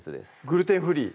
グルテンフリー